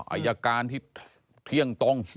อายการที่เที่ยงตรง